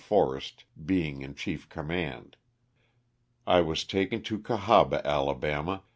Forrest being in chief command. I was taken to Cahaba, Ala.